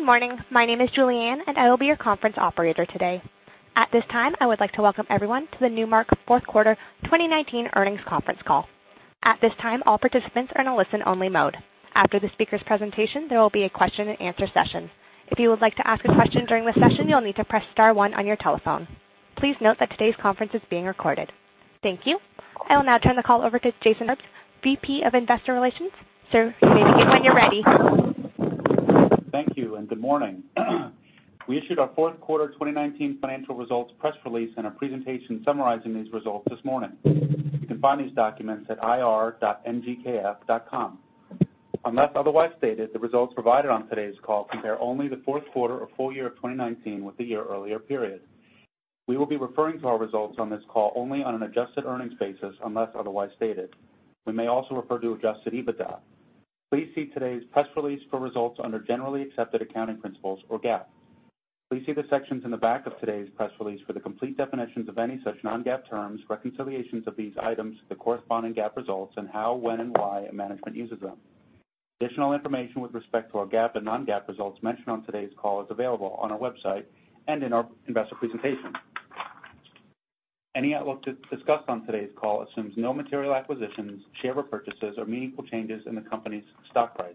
Good morning. My name is Julianne, and I will be your conference operator today. At this time, I would like to welcome everyone to the Newmark Fourth Quarter 2019 Earnings Conference Call. At this time, all participants are in a listen-only mode. After the speaker's presentation, there will be a question and answer session. If you would like to ask a question during the session, you'll need to press star one on your telephone. Please note that today's conference is being recorded. Thank you. I will now turn the call over to Jason McGruder, VP of Investor Relations. Sir, you may begin when you're ready. Thank you, and good morning. We issued our fourth quarter 2019 financial results press release and a presentation summarizing these results this morning. You can find these documents at ir.nmrk.com. Unless otherwise stated, the results provided on today's call compare only the fourth quarter or full year of 2019 with the year earlier period. We will be referring to our results on this call only on an adjusted earnings basis unless otherwise stated. We may also refer to adjusted EBITDA. Please see today's press release for results under generally accepted accounting principles or GAAP. Please see the sections in the back of today's press release for the complete definitions of any such non-GAAP terms, reconciliations of these items, the corresponding GAAP results, and how, when and why management uses them. Additional information with respect to our GAAP and non-GAAP results mentioned on today's call is available on our website and in our investor presentation. Any outlook discussed on today's call assumes no material acquisitions, share repurchases or meaningful changes in the company's stock price.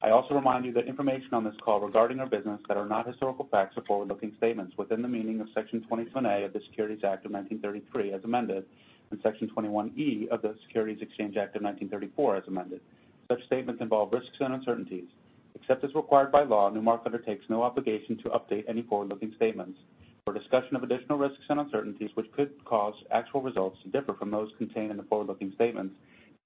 I also remind you that information on this call regarding our business that are not historical facts are forward-looking statements within the meaning of Section 27A of the Securities Act of 1933 as amended, and Section 21E of the Securities Exchange Act of 1934 as amended. Such statements involve risks and uncertainties. Except as required by law, Newmark undertakes no obligation to update any forward-looking statements. For discussion of additional risks and uncertainties which could cause actual results to differ from those contained in the forward-looking statements,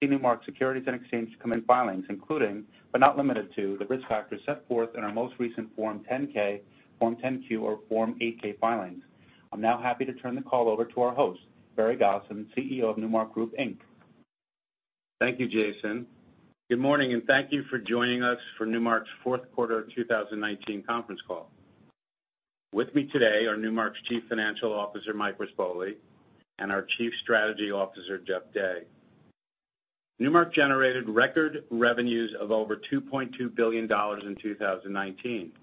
see Newmark Securities and Exchange Commission filings including but not limited to the risk factors set forth in our most recent Form 10-K, Form 10-Q or Form 8-K filings. I'm now happy to turn the call over to our host, Barry Gosin, CEO of Newmark Group Inc. Thank you, Jason. Good morning, and thank you for joining us for Newmark's Fourth Quarter 2019 Conference Call. With me today are Newmark's Chief Financial Officer, Mike Rispoli, and our Chief Strategy Officer, Jeff Day. Newmark generated record revenues of over $2.2 billion in 2019.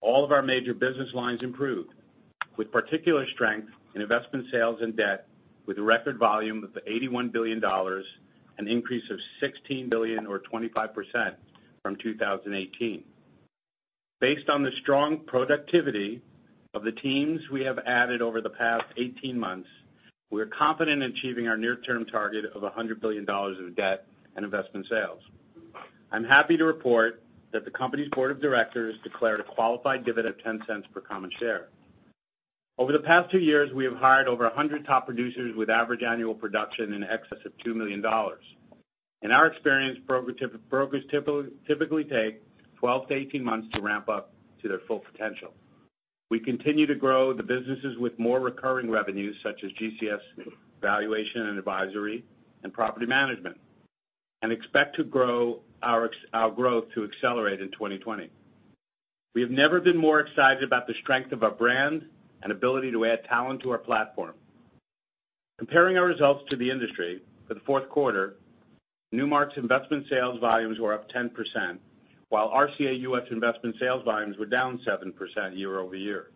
All of our major business lines improved, with particular strength in investment sales and debt with a record volume of $81 billion, an increase of $16 billion or 25%, from 2018. Based on the strong productivity of the teams we have added over the past 18 months, we are confident in achieving our near-term target of $100 billion of debt and investment sales. I'm happy to report that the company's board of directors declared a qualified dividend of $0.10 per common share. Over the past two years, we have hired over 100 top producers with average annual production in excess of $2 million. In our experience, brokers typically take 12 to 18 months to ramp up to their full potential. We continue to grow the businesses with more recurring revenues such as GCS valuation and advisory and property management, and expect to grow our growth to accelerate in 2020. We have never been more excited about the strength of our brand and ability to add talent to our platform. Comparing our results to the industry for the fourth quarter, Newmark's investment sales volumes were up 10%, while RCA U.S. investment sales volumes were down 7%, year-over-year.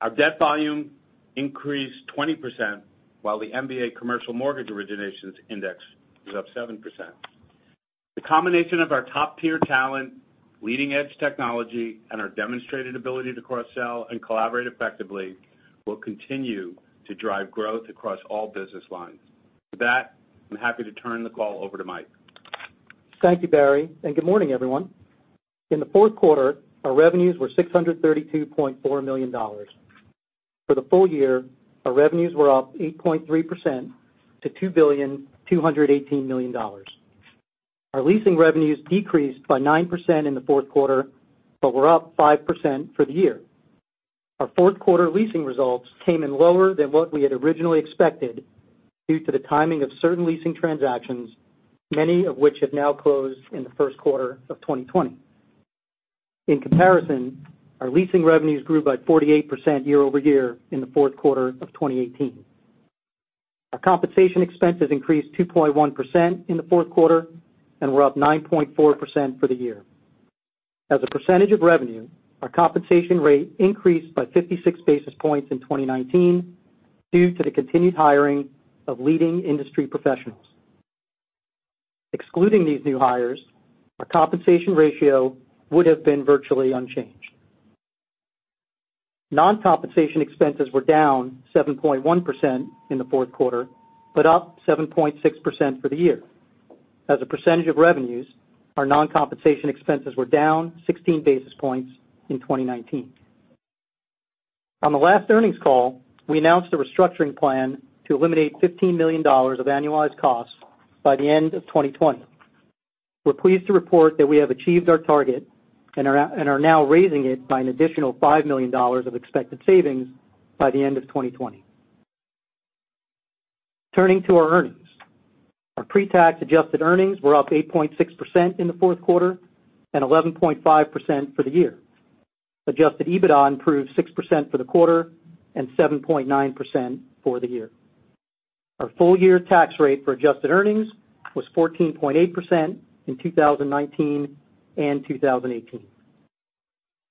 Our debt volume increased 20%, while the MBA commercial mortgage originations index was up 7%. The combination of our top-tier talent, leading-edge technology, and our demonstrated ability to cross-sell and collaborate effectively will continue to drive growth across all business lines. With that, I'm happy to turn the call over to Mike. Thank you, Barry. Good morning, everyone. In the fourth quarter, our revenues were $632.4 million. For the full year, our revenues were up 8.3%, to $2.218 billion. Our leasing revenues decreased by 9%, in the fourth quarter but were up 5%, for the year. Our fourth quarter leasing results came in lower than what we had originally expected due to the timing of certain leasing transactions, many of which have now closed in the first quarter of 2020. In comparison, our leasing revenues grew by 48%, year-over-year in the fourth quarter of 2018. Our compensation expenses increased 2.1%, in the fourth quarter and were up 9.4%, for the year. As a percentage of revenue, our compensation rate increased by 56 basis points in 2019 due to the continued hiring of leading industry professionals. Excluding these new hires, our compensation ratio would have been virtually unchanged. Non-compensation expenses were down 7.1%, in the fourth quarter, up 7.6%, for the year. As a percentage of revenues, our non-compensation expenses were down 16 basis points in 2019. On the last earnings call, we announced a restructuring plan to eliminate $15 million of annualized costs by the end of 2020. We're pleased to report that we have achieved our target and are now raising it by an additional $5 million of expected savings by the end of 2020. Turning to our earnings. Our pre-tax adjusted earnings were up 8.6%, in the fourth quarter and 11.5%, for the year. Adjusted EBITDA improved 6%, for the quarter and 7.9%, for the year. Our full-year tax rate for adjusted earnings was 14.8%, in 2019 and 2018.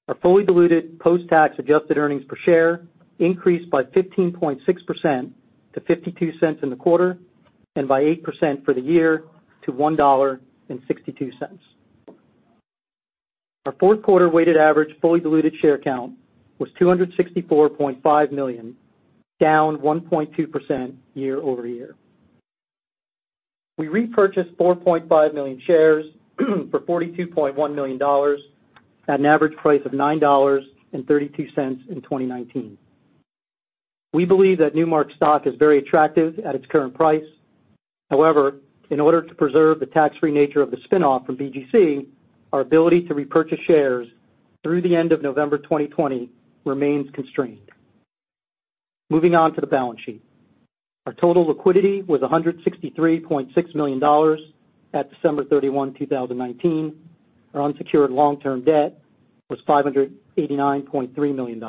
Our fully diluted post-tax adjusted earnings per share increased by 15.6%, to $0.52 in the quarter, and by 8%, for the year to $1.62. Our fourth quarter weighted average fully diluted share count was 264.5 million, down 1.2%, year-over-year. We repurchased 4.5 million shares for $42.1 million at an average price of $9.32 in 2019. We believe that Newmark's stock is very attractive at its current price. However, in order to preserve the tax-free nature of the spinoff from BGC, our ability to repurchase shares through the end of November 2020 remains constrained. Moving on to the balance sheet. Our total liquidity was $163.6 million at December 31, 2019. Our unsecured long-term debt was $589.3 million.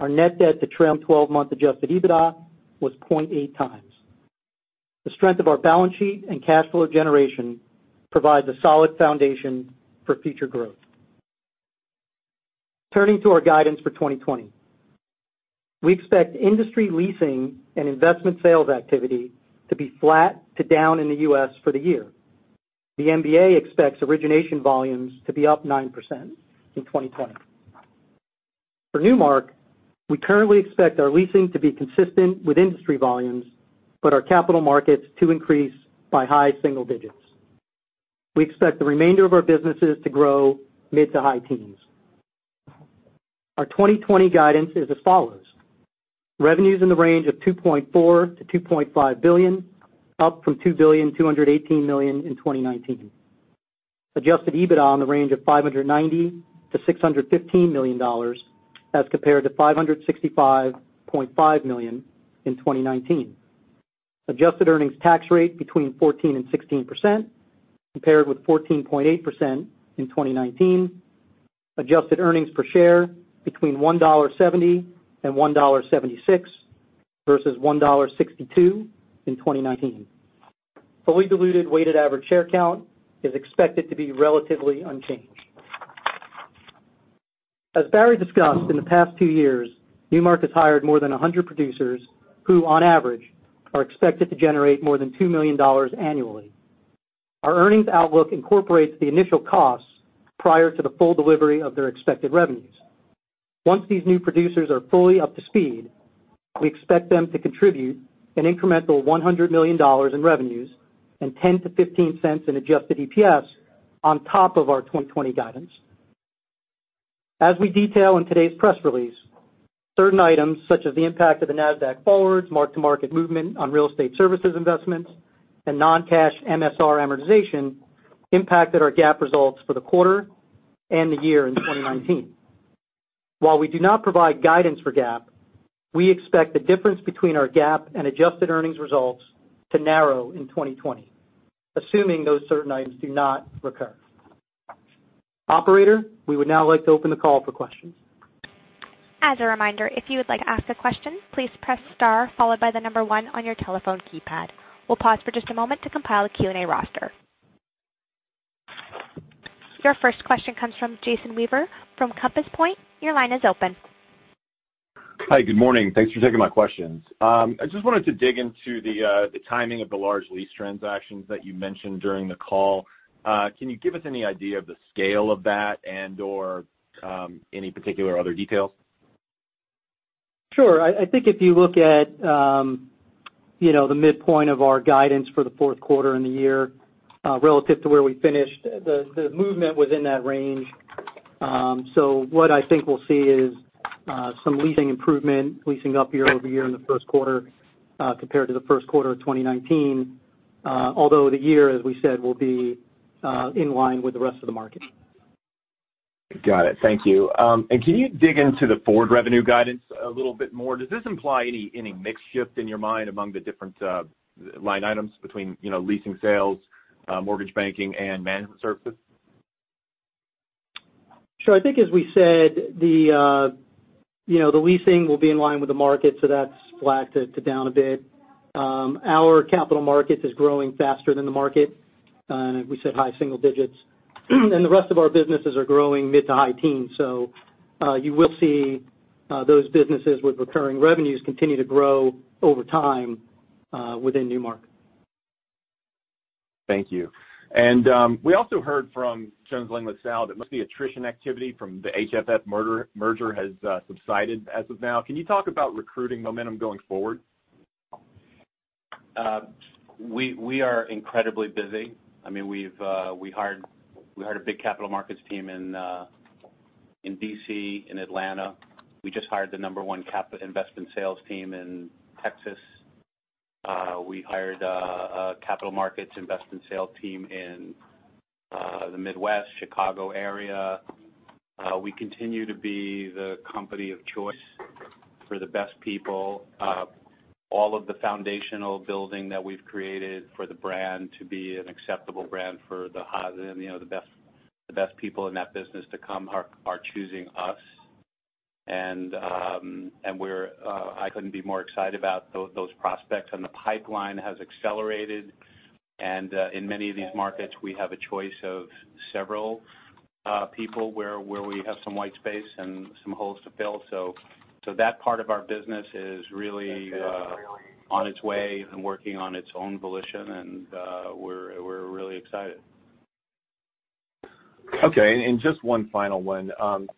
Our net debt to trailing 12-month adjusted EBITDA was 0.8 times. The strength of our balance sheet and cash flow generation provide the solid foundation for future growth. Turning to our guidance for 2020. We expect industry leasing and investment sales activity to be flat to down in the U.S. for the year. The MBA expects origination volumes to be up 9%, in 2020. For Newmark, we currently expect our leasing to be consistent with industry volumes, but our capital markets to increase by high single digits. We expect the remainder of our businesses to grow mid to high teens. Our 2020 guidance is as follows. Revenues in the range of $2.4 billion-$2.5 billion, up from $2.218 billion in 2019. Adjusted EBITDA in the range of $590 million-$615 million as compared to $565.5 million in 2019. Adjusted earnings tax rate between 14% and 16%, compared with 14.8%, in 2019. Adjusted earnings per share between $1.70 and $1.76 versus $1.62 in 2019. Fully diluted weighted average share count is expected to be relatively unchanged. As Barry discussed, in the past two years, Newmark has hired more than 100 producers who, on average, are expected to generate more than $2 million annually. Our earnings outlook incorporates the initial costs prior to the full delivery of their expected revenues. Once these new producers are fully up to speed, we expect them to contribute an incremental $100 million in revenues and $0.10 to $0.15 in adjusted EPS on top of our 2020 guidance. As we detail in today's press release, certain items such as the impact of the NASDAQ forwards, mark-to-market movement on real estate services investments, and non-cash MSR amortization impacted our GAAP results for the quarter and the year in 2019. While we do not provide guidance for GAAP, we expect the difference between our GAAP and adjusted earnings results to narrow in 2020, assuming those certain items do not recur. Operator, we would now like to open the call for questions. As a reminder, if you would like to ask a question, please press star followed by the number 1 on your telephone keypad. We'll pause for just a moment to compile a Q&A roster. Your first question comes from Jason Weaver from Compass Point. Your line is open. Hi, good morning. Thanks for taking my questions. I just wanted to dig into the timing of the large lease transactions that you mentioned during the call. Can you give us any idea of the scale of that and/or any particular other details? Sure. I think if you look at the midpoint of our guidance for the fourth quarter and the year relative to where we finished, the movement was in that range. What I think we'll see is some leasing improvement, leasing up year-over-year in the first quarter compared to the first quarter of 2019. Although the year, as we said, will be in line with the rest of the market. Got it. Thank you. Can you dig into the forward revenue guidance a little bit more? Does this imply any mix shift in your mind among the different line items between leasing, sales, mortgage banking, and management services? Sure. I think as we said, the leasing will be in line with the market, so that's flat to down a bit. Our capital markets is growing faster than the market. We said high single digits. The rest of our businesses are growing mid to high teens. You will see those businesses with recurring revenues continue to grow over time within Newmark. Thank you. We also heard from Jones Lang LaSalle that most of the attrition activity from the HFF merger has subsided as of now. Can you talk about recruiting momentum going forward? We are incredibly busy. We hired a big capital markets team in D.C., in Atlanta. We just hired the number one capital investment sales team in Texas. We hired a capital markets investment sales team in the Midwest, Chicago area. We continue to be the company of choice for the best people. All of the foundational building that we've created for the brand to be an acceptable brand for the best people in that business to come are choosing us. I couldn't be more excited about those prospects, and the pipeline has accelerated. In many of these markets, we have a choice of several people where we have some white space and some holes to fill. That part of our business is really on its way and working on its own volition, and we're really excited. Okay, just one final one.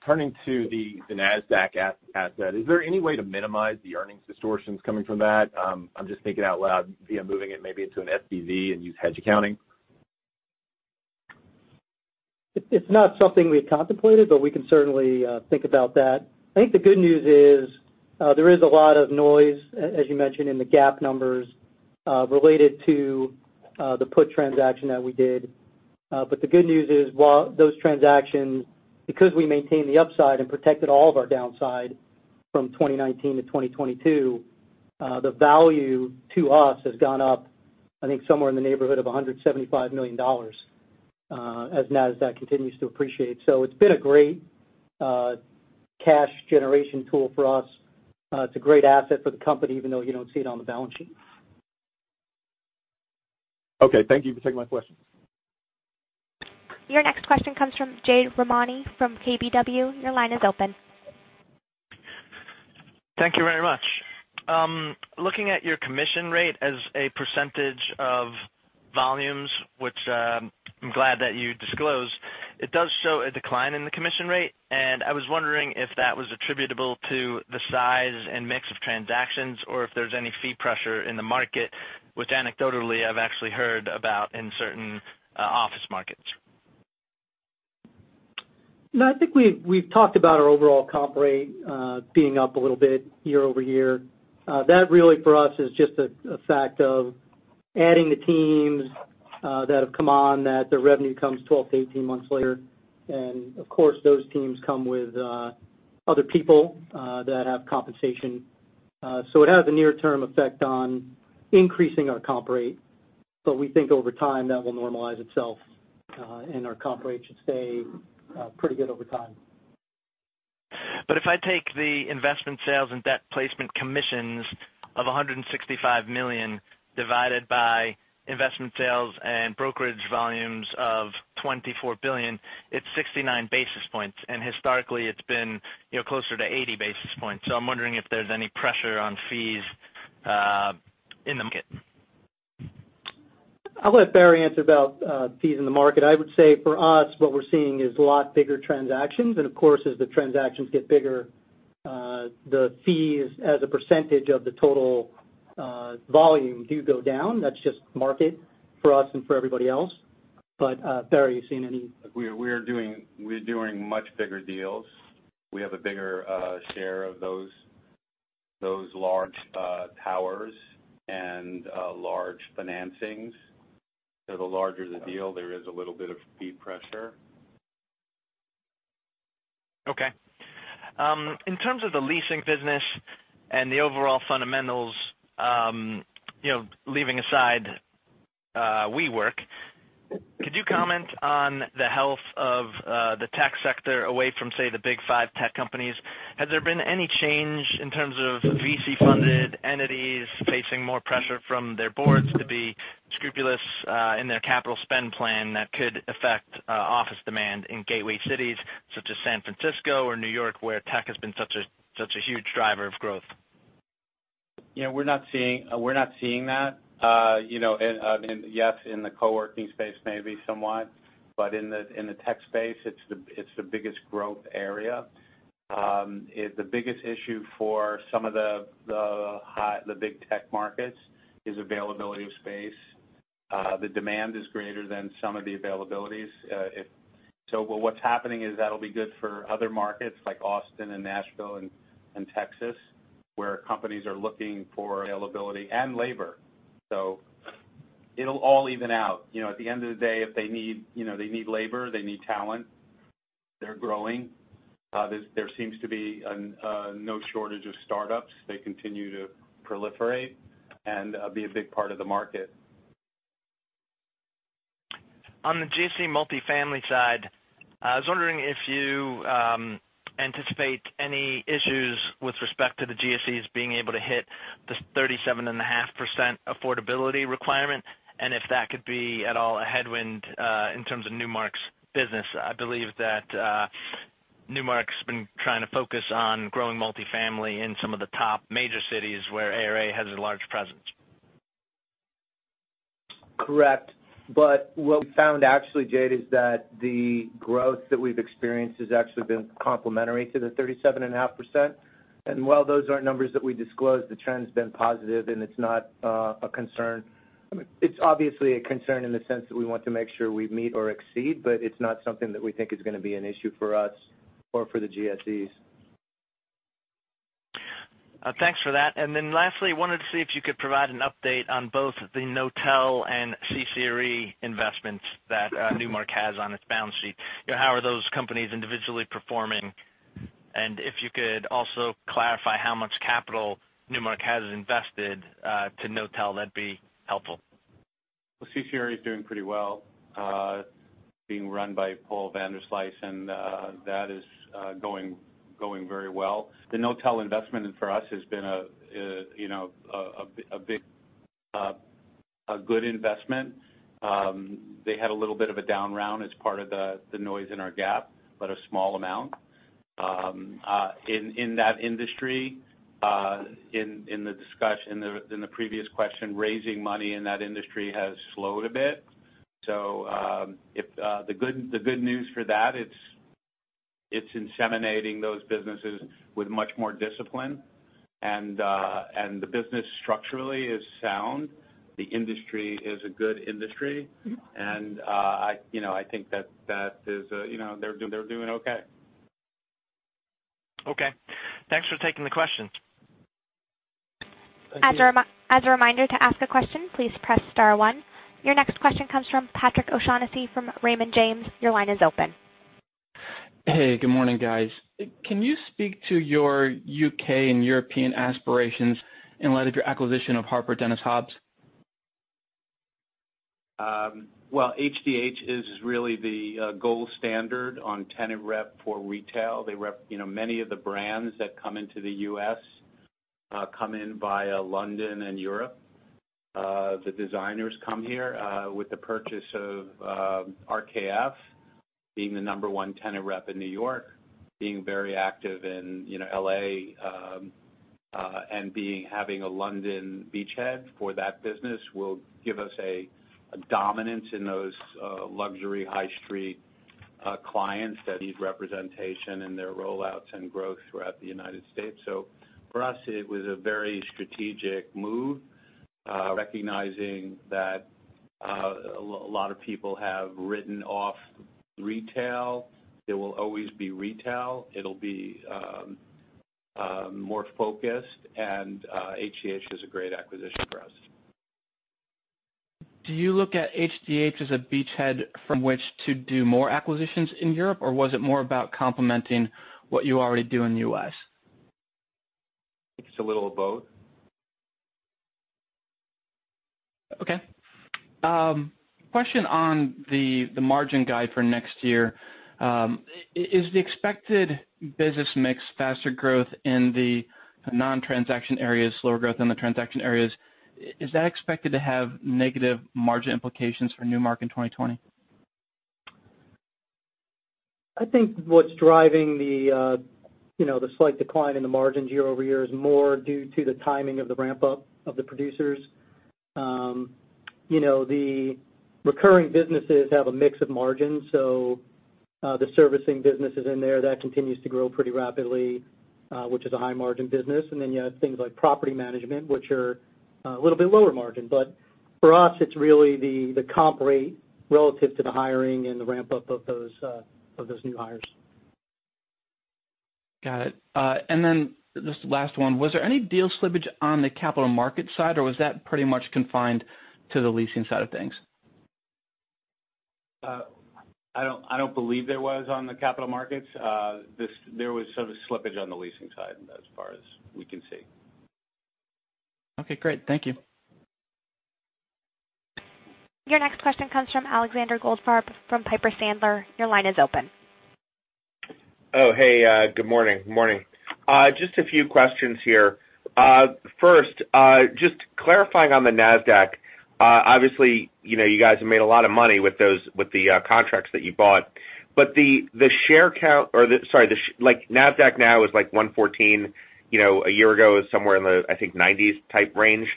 Turning to the NASDAQ asset, is there any way to minimize the earnings distortions coming from that? I'm just thinking out loud, via moving it maybe into an SPV and use hedge accounting. It's not something we've contemplated, but we can certainly think about that. I think the good news is, there is a lot of noise, as you mentioned in the GAAP numbers, related to the put transaction that we did. The good news is, while those transactions, because we maintained the upside and protected all of our downside from 2019 to 2022, the value to us has gone up, I think somewhere in the neighborhood of $175 million, as NASDAQ continues to appreciate. It's been a great cash generation tool for us. It's a great asset for the company, even though you don't see it on the balance sheet. Okay. Thank you for taking my question. Your next question comes from Jade Rahmani from KBW. Your line is open. Thank you very much. Looking at your commission rate as a percentage of volumes, which I'm glad that you disclosed, it does show a decline in the commission rate. I was wondering if that was attributable to the size and mix of transactions or if there's any fee pressure in the market, which anecdotally I've actually heard about in certain office markets. No, I think we've talked about our overall comp rate being up a little bit year-over-year. That really for us is just a fact of adding the teams that have come on, that their revenue comes 12 to 18 months later. Of course, those teams come with other people that have compensation. It has a near-term effect on increasing our comp rate. We think over time, that will normalize itself, and our comp rate should stay pretty good over time. If I take the investment sales and debt placement commissions of $165 million divided by investment sales and brokerage volumes of $24 billion, it's 69 basis points, and historically it's been closer to 80 basis points. I'm wondering if there's any pressure on fees in the market. I'll let Barry, answer about fees in the market. I would say for us, what we're seeing is a lot bigger transactions. Of course, as the transactions get bigger, the fees as a percentage of the total volume do go down. That's just market for us and for everybody else. Barry, are you seeing any? We're doing much bigger deals. We have a bigger share of those large towers and large financings. The larger the deal, there is a little bit of fee pressure. Okay. In terms of the leasing business and the overall fundamentals, leaving aside WeWork, could you comment on the health of the tech sector away from, say, the big five tech companies? Has there been any change in terms of VC-funded entities facing more pressure from their boards to be scrupulous in their capital spend plan that could affect office demand in gateway cities such as San Francisco or New York, where tech has been such a huge driver of growth? Yeah, we're not seeing that. Yes, in the co-working space, maybe somewhat. In the tech space, it's the biggest growth area. The biggest issue for some of the big tech markets is availability of space. The demand is greater than some of the availabilities. What's happening is that'll be good for other markets like Austin and Nashville and Texas, where companies are looking for availability and labor. It'll all even out. At the end of the day, if they need labor, they need talent. They're growing. There seems to be no shortage of startups. They continue to proliferate and be a big part of the market. On the GSE multifamily side, I was wondering if you anticipate any issues with respect to the GSEs being able to hit the 37.5%, affordability requirement, and if that could be at all a headwind in terms of Newmark's business. I believe that Newmark's been trying to focus on growing multifamily in some of the top major cities where ARA has a large presence. Correct. What we found actually, Jade, is that the growth that we've experienced has actually been complementary to the 37.5%. While those aren't numbers that we disclose, the trend's been positive, and it's not a concern. It's obviously a concern in the sense that we want to make sure we meet or exceed, but it's not something that we think is going to be an issue for us or for the GSEs. Thanks for that. lastly, I wanted to see if you could provide an update on both the Knotel and CCRE investments that Newmark has on its balance sheet. How are those companies individually performing? if you could also clarify how much capital Newmark has invested to Knotel, that'd be helpful. CCRE is doing pretty well. It's being run by Paul Vanderslice, and that is going very well. The Knotel investment for us has been a good investment. They had a little bit of a down round as part of the noise in our GAAP, but a small amount. In that industry, in the previous question, raising money in that industry has slowed a bit. The good news for that, it's inseminating those businesses with much more discipline. The business structurally is sound. The industry is a good industry. I think that they're doing okay. Okay. Thanks for taking the question. Thank you. As a reminder, to ask a question, please press star one. Your next question comes from Patrick O'Shaughnessy from Raymond James. Your line is open. Hey, good morning, guys. Can you speak to your U.K. and European aspirations in light of your acquisition of Harper Dennis Hobbs? Well, HDH is really the gold standard on tenant rep for retail. Many of the brands that come into the U.S. come in via London and Europe. The designers come here with the purchase of RKF being the number one tenant rep in New York, being very active in L.A., and having a London beachhead for that business will give us a dominance in those luxury high street clients that need representation in their rollouts and growth throughout the United States. For us, it was a very strategic move, recognizing that a lot of people have written off retail. There will always be retail. It'll be more focused, and HDH is a great acquisition for us. Do you look at HDH as a beachhead from which to do more acquisitions in Europe, or was it more about complementing what you already do in the U.S.? I think it's a little of both. Okay. Question on the margin guide for next year. Is the expected business mix faster growth in the non-transaction areas, slower growth in the transaction areas? Is that expected to have negative margin implications for Newmark in 2020? I think what's driving the slight decline in the margins year-over-year is more due to the timing of the ramp-up of the producers. The recurring businesses have a mix of margins, so the servicing businesses in there, that continues to grow pretty rapidly, which is a high-margin business. You have things like property management, which are a little bit lower margin. For us, it's really the comp rate relative to the hiring and the ramp-up of those new hires. Got it. Just last one, was there any deal slippage on the capital market side, or was that pretty much confined to the leasing side of things? I don't believe there was on the capital markets. There was sort of slippage on the leasing side as far as we can see. Okay, great. Thank you. Your next question comes from Alexander Goldfarb from Piper Sandler. Your line is open. Hey. Good morning. Just a few questions here. First, just clarifying on the NASDAQ. Obviously, you guys have made a lot of money with the contracts that you bought. The share count or the NASDAQ now is 114. A year ago, it was somewhere in the, I think, 90s type range.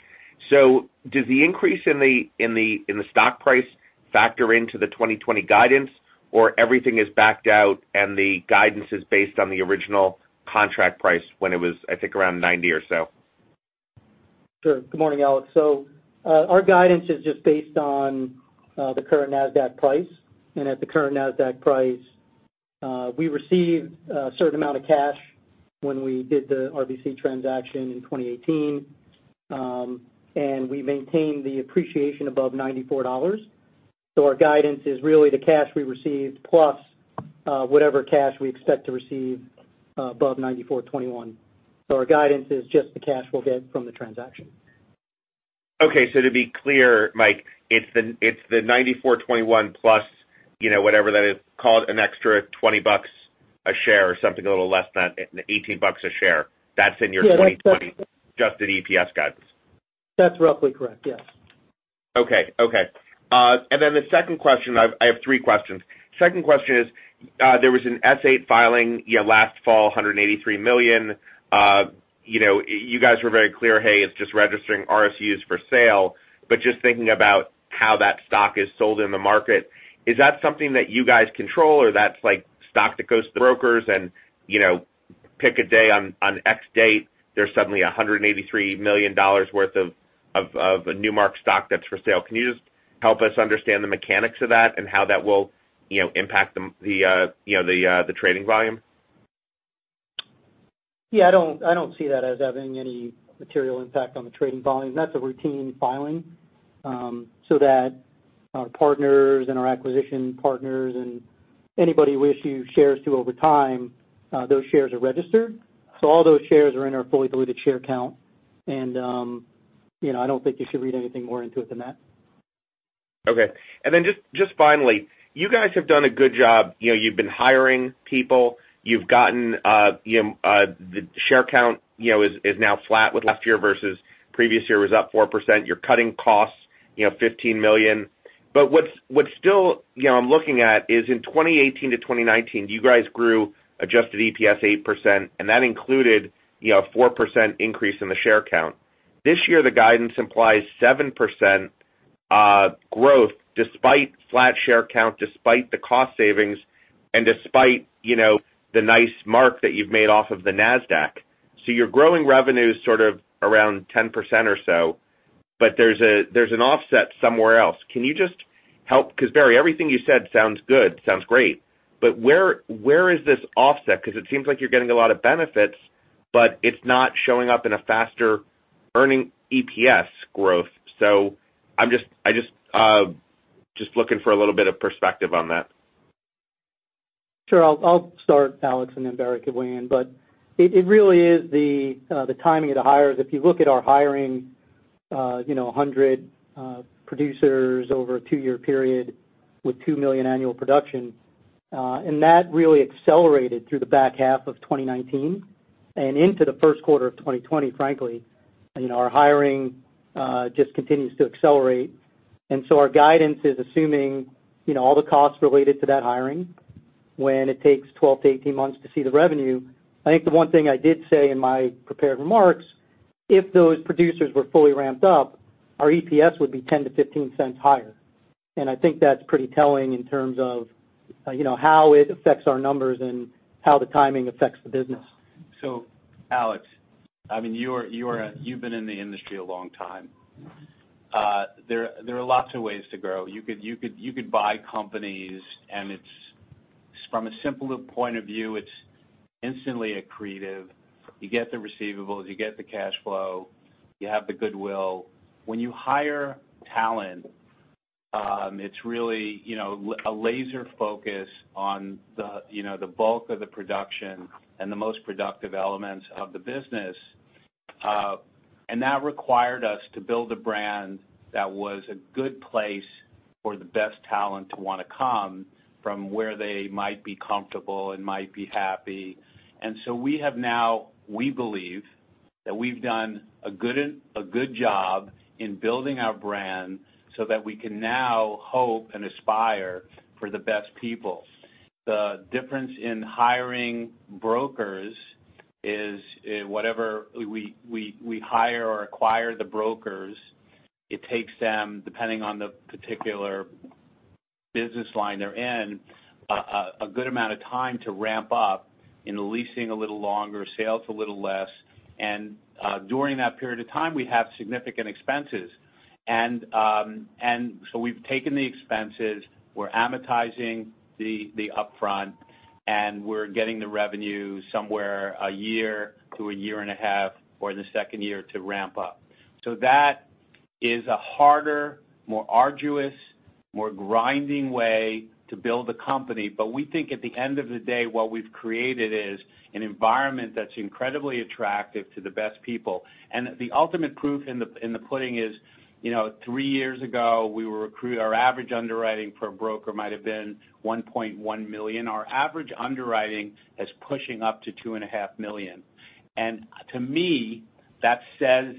Does the increase in the stock price factor into the 2020 guidance, or everything is backed out, and the guidance is based on the original contract price when it was, I think, around 90 or so? Sure. Good morning, Alex. Our guidance is just based on the current Nasdaq price. At the current Nasdaq price, we received a certain amount of cash when we did the RBC transaction in 2018. We maintained the appreciation above $94. Our guidance is really the cash we received, plus whatever cash we expect to receive above $94.21. Our guidance is just the cash we'll get from the transaction. Okay, to be clear, Mike, it's the $94.21 plus whatever that is, call it an extra $20 a share or something a little less than $18 a share. That's in your. Yeah. 2020 adjusted EPS guidance. That's roughly correct. Yes. Okay. The second question. I have three questions. Second question is, there was an S-8 filing last fall, $183 million. You guys were very clear, "Hey, it's just registering RSUs for sale." Just thinking about how that stock is sold in the market, is that something that you guys control, or that's stock that goes to brokers and, pick a day on X date, there's suddenly $183 million worth of Newmark stock that's for sale. Can you just help us understand the mechanics of that and how that will impact the trading volume? Yeah, I don't see that as having any material impact on the trading volume. That's a routine filing so that our partners and our acquisition partners and anybody we issue shares to over time, those shares are registered. All those shares are in our fully diluted share count. I don't think you should read anything more into it than that. Okay. Just finally, you guys have done a good job. You've been hiring people. The share count is now flat with last year versus previous year was up 4%. You're cutting costs $15 million. What's still I'm looking at is in 2018 to 2019, you guys grew adjusted EPS 8%, and that included 4%, increase in the share count. This year, the guidance implies 7%, growth despite flat share count, despite the cost savings, and despite the nice mark that you've made off of the NASDAQ. You're growing revenue sort of around 10%, or so, but there's an offset somewhere else. Can you just help? Barry, everything you said sounds good, sounds great. Where is this offset? It seems like you're getting a lot of benefits, but it's not showing up in a faster earning EPS growth. I'm just looking for a little bit of perspective on that. Sure. I'll start, Alex. Barry could weigh in. It really is the timing of the hires. If you look at our hiring 100 producers over a two-year period with $2 million annual production, that really accelerated through the back half of 2019 and into the first quarter of 2020, frankly. Our hiring just continues to accelerate. Our guidance is assuming all the costs related to that hiring when it takes 12 to 18 months to see the revenue. I think the one thing I did say in my prepared remarks, if those producers were fully ramped up, our EPS would be $0.10-$0.15 higher. I think that's pretty telling in terms of how it affects our numbers and how the timing affects the business. Alex, you've been in the industry a long time. There are lots of ways to grow. You could buy companies, and from a simple point of view, it's instantly accretive. You get the receivables, you get the cash flow, you have the goodwill. When you hire talent, it's really a laser focus on the bulk of the production and the most productive elements of the business. That required us to build a brand that was a good place for the best talent to want to come from where they might be comfortable and might be happy. We have now, we believe, that we've done a good job in building our brand so that we can now hope and aspire for the best people. The difference in hiring brokers is whatever we hire or acquire the brokers, it takes them, depending on the particular business line they're in, a good amount of time to ramp up in leasing a little longer, sales a little less. During that period of time, we have significant expenses. We've taken the expenses, we're amortizing the upfront, and we're getting the revenue somewhere a year to a year and a half or the second year to ramp up. That is a harder, more arduous, more grinding way to build a company. We think at the end of the day, what we've created is an environment that's incredibly attractive to the best people. The ultimate proof in the pudding is three years ago, our average underwriting per broker might have been $1.1 million. Our average underwriting is pushing up to two and a half million. To me, that says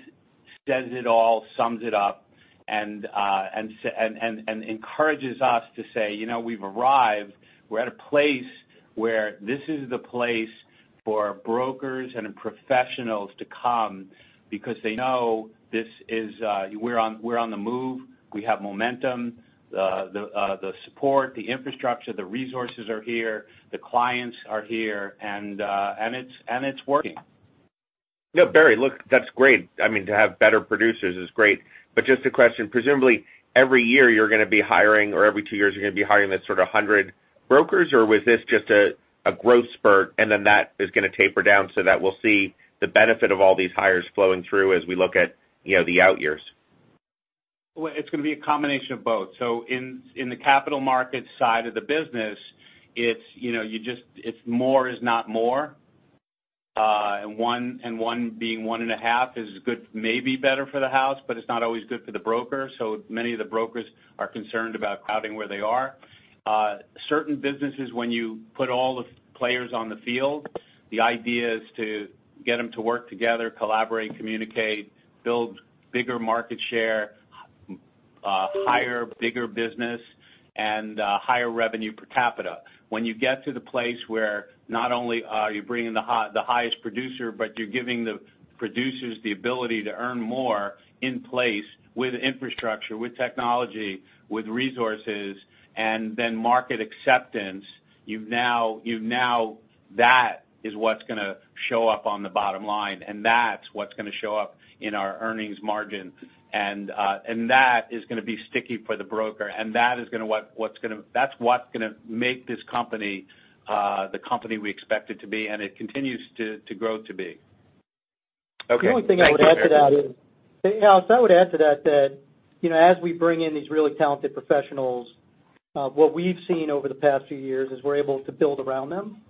it all, sums it up, and encourages us to say we've arrived. We're at a place where this is the place for brokers and professionals to come because they know we're on the move. We have momentum. The support, the infrastructure, the resources are here. The clients are here, and it's working. Barry, look, that's great. To have better producers is great. Just a question, presumably every year you're going to be hiring, or every two years you're going to be hiring that sort of 100 brokers, or was this just a growth spurt and then that is going to taper down so that we'll see the benefit of all these hires flowing through as we look at the out years? It's going to be a combination of both. In the capital markets side of the business, more is not more. One being one and a half is maybe better for the house, but it's not always good for the broker. Many of the brokers are concerned about crowding where they are. Certain businesses, when you put all the players on the field, the idea is to get them to work together, collaborate, communicate, build bigger market share, hire bigger business, and higher revenue per capita. When you get to the place where not only are you bringing the highest producer, but you're giving the producers the ability to earn more in place with infrastructure, with technology, with resources, and then market acceptance, that is what's going to show up on the bottom line, and that's what's going to show up in our earnings margin. That is going to be sticky for the broker. That's what's going to make this company the company we expect it to be, and it continues to grow to be. Okay. Thank you, Barry. The only thing I would add to that is, Alex, I would add to that, as we bring in these really talented professionals, what we've seen over the past few years is we're able to build around them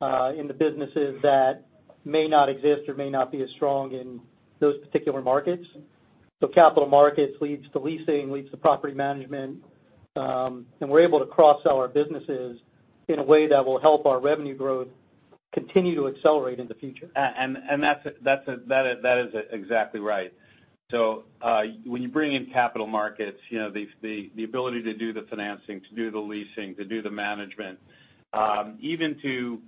in the businesses that may not exist or may not be as strong in those particular markets. Capital markets leads to leasing, leads to property management, and we're able to cross-sell our businesses in a way that will help our revenue growth continue to accelerate in the future. That is exactly right. When you bring in capital markets, the ability to do the financing, to do the leasing, to do the management, even to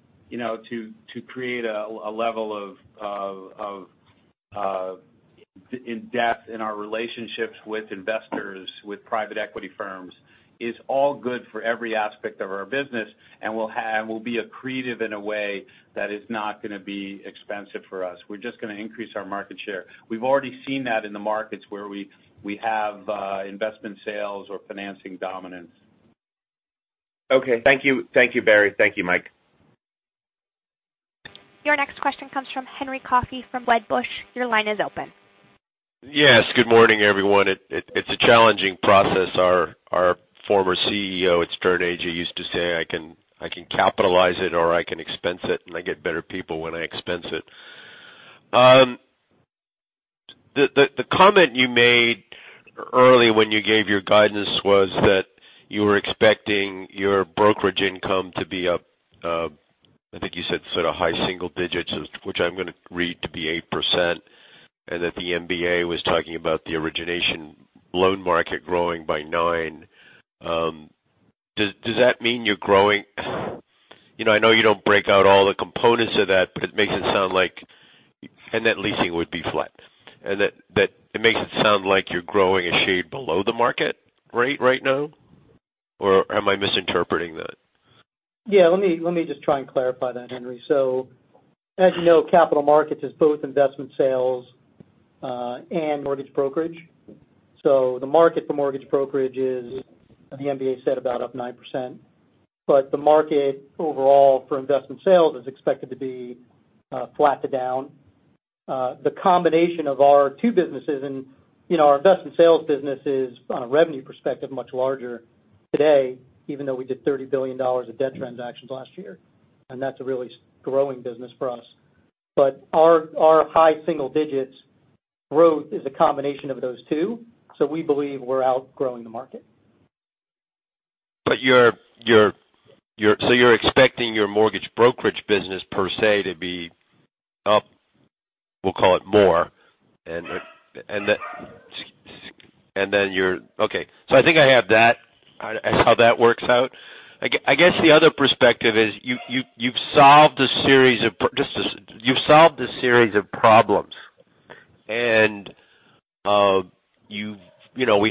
create a level of depth in our relationships with investors, with private equity firms is all good for every aspect of our business and will be accretive in a way that is not going to be expensive for us. We're just going to increase our market share. We've already seen that in the markets where we have investment sales or financing dominance. Okay. Thank you, Barry. Thank you, Mike. Your next question comes from Henry Coffey from Wedbush. Your line is open. Yes. Good morning, everyone. It's a challenging process. Our former CEO at TurnAG used to say, "I can capitalize it, or I can expense it, and I get better people when I expense it." The comment you made early when you gave your guidance was that you were expecting your brokerage income to be up, I think you said sort of high single digits, which I'm going to read to be 8%, and that the MBA was talking about the origination loan market growing by nine. Does that mean you're growing? I know you don't break out all the components of that, but it makes it sound like And that leasing would be flat. It makes it sound like you're growing a shade below the market rate right now, or am I misinterpreting that? Yeah. Let me just try and clarify that, Henry. As you know, capital markets is both investment sales and mortgage brokerage. The market for mortgage brokerage is, the MBA said about up 9%, but the market overall for investment sales is expected to be flat to down. The combination of our two businesses, and our investment sales business is, on a revenue perspective, much larger today, even though we did $30 billion of debt transactions last year, and that's a really growing business for us. Our high single digits growth is a combination of those two. We believe we're outgrowing the market. You're expecting your mortgage brokerage business per se to be up, we'll call it more. Okay. I think I have that and how that works out. I guess the other perspective is you've solved a series of problems, and we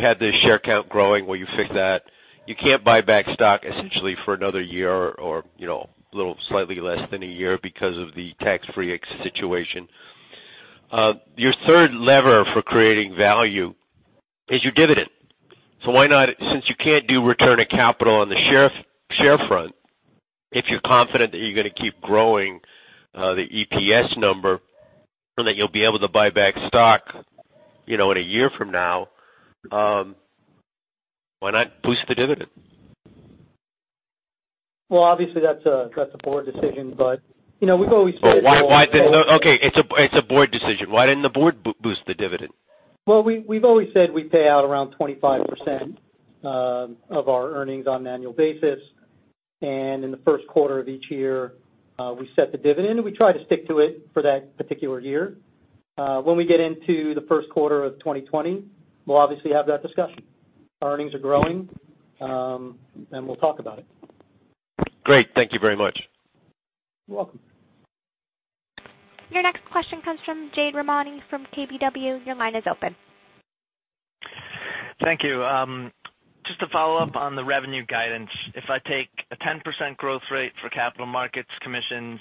had this share count growing where you fixed that. You can't buy back stock essentially for another year or little slightly less than a year because of the tax-free situation. Your third lever for creating value is your dividend. Why not, since you can't do return of capital on the share front, if you're confident that you're going to keep growing the EPS number and that you'll be able to buy back stock in a year from now, why not boost the dividend? Well, obviously, that's a board decision. We've always said. Okay. It's a board decision. Why didn't the board boost the dividend? Well, we've always said we pay out around 25%, of our earnings on an annual basis, and in the first quarter of each year, we set the dividend, and we try to stick to it for that particular year. When we get into the first quarter of 2020, we'll obviously have that discussion. Our earnings are growing, and we'll talk about it. Great. Thank you very much. You're welcome. Your next question comes from Jade Rahmani from KBW. Your line is open. Thank you. Just to follow up on the revenue guidance. If I take a 10%, growth rate for capital markets commissions,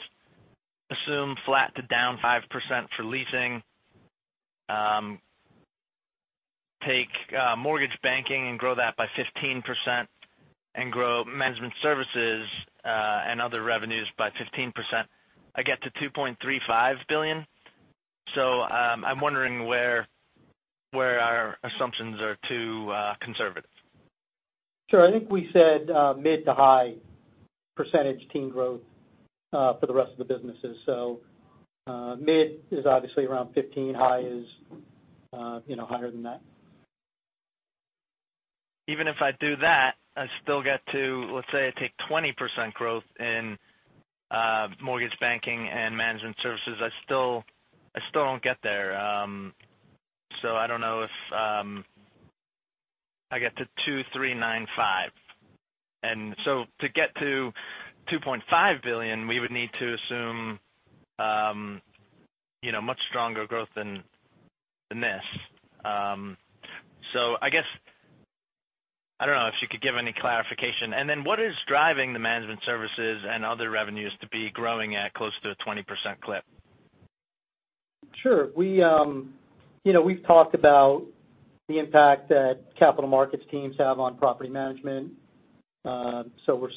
assume flat to down 5%, for leasing, take mortgage banking and grow that by 15%, and grow management services and other revenues by 15%, I get to $2.35 billion. I'm wondering where our assumptions are too conservative. Sure. I think we said mid to high percentage teen growth for the rest of the businesses. Mid is obviously around 15. High is higher than that. Even if I do that, I still get to, let's say I take 20%, growth in mortgage banking and management services, I still don't get there. I don't know if I get to $2,395. To get to $2.5 billion, we would need to assume much stronger growth than this. I guess, I don't know if you could give any clarification. What is driving the management services and other revenues to be growing at close to a 20% clip? Sure. We've talked about the impact that capital markets teams have on property management. We're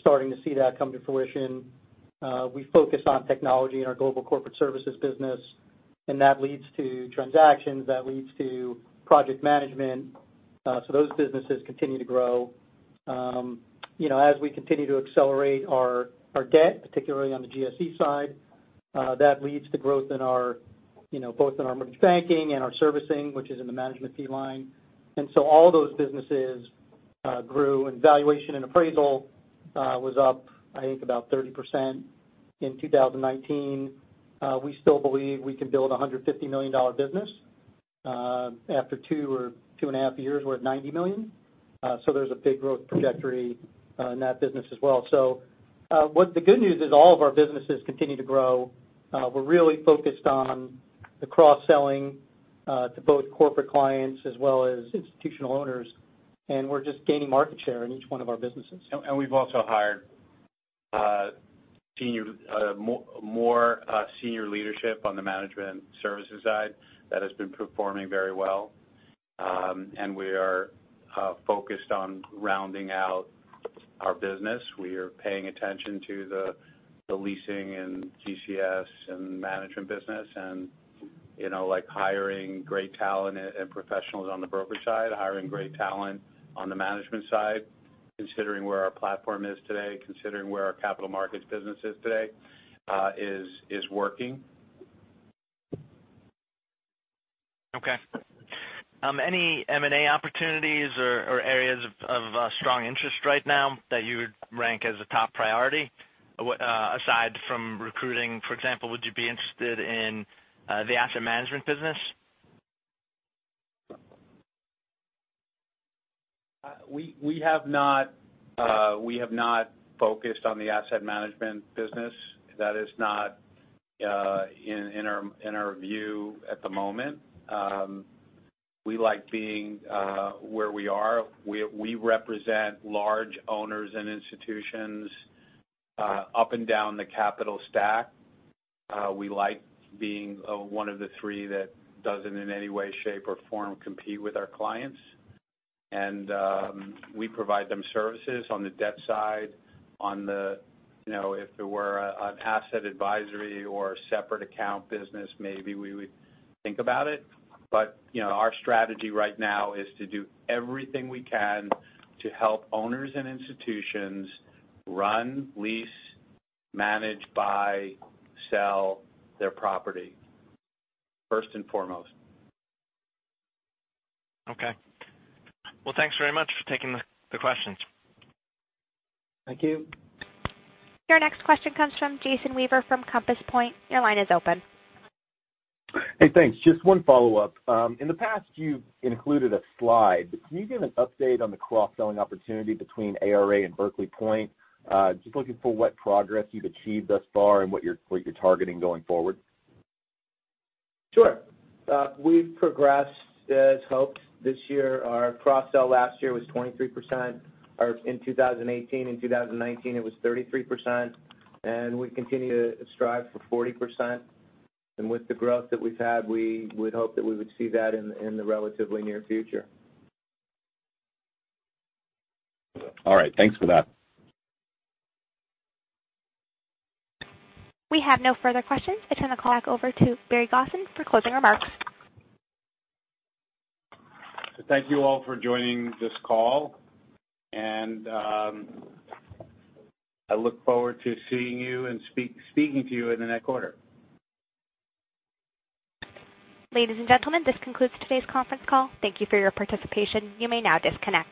starting to see that come to fruition. We focus on technology in our Global Corporate Services business, and that leads to transactions, that leads to project management. Those businesses continue to grow. As we continue to accelerate our debt, particularly on the GSE side, that leads to growth both in our merchant banking and our servicing, which is in the management fee line. All those businesses grew, and valuation and appraisal was up, I think, about 30%, in 2019. We still believe we can build a $150 million business. After 2 or 2.5 years, we're at $90 million. There's a big growth trajectory in that business as well. The good news is all of our businesses continue to grow. We're really focused on the cross-selling to both corporate clients as well as institutional owners, and we're just gaining market share in each one of our businesses. We've also hired more senior leadership on the management services side. That has been performing very well. We are focused on rounding out our business. We are paying attention to the leasing and GCS and management business and hiring great talent and professionals on the broker side, hiring great talent on the management side. Considering where our platform is today, considering where our capital markets business is today, is working. Okay. Any M&A opportunities or areas of strong interest right now that you would rank as a top priority, aside from recruiting? For example, would you be interested in the asset management business? We have not focused on the asset management business. That is not in our view at the moment. We like being where we are. We represent large owners and institutions up and down the capital stack. We like being one of the three that doesn't in any way, shape, or form compete with our clients. We provide them services on the debt side. If there were an asset advisory or separate account business, maybe we would think about it. Our strategy right now is to do everything we can to help owners and institutions run, lease, manage, buy, sell their property first and foremost. Okay. Well, thanks very much for taking the questions. Thank you. Your next question comes from Jason Weaver from Compass Point. Your line is open. Hey, thanks. Just one follow-up. In the past, you've included a slide. Can you give an update on the cross-selling opportunity between ARA and Berkeley Point? Just looking for what progress you've achieved thus far and what you're targeting going forward. Sure. We've progressed as hoped this year. Our cross-sell last year was 23%, or in 2018. In 2019, it was 33%, we continue to strive for 40%. With the growth that we've had, we would hope that we would see that in the relatively near future. All right. Thanks for that. We have no further questions. I turn the call back over to Barry Gosin for closing remarks. Thank you all for joining this call. I look forward to seeing you and speaking to you in the next quarter. Ladies and gentlemen, this concludes today's conference call. Thank you for your participation. You may now disconnect.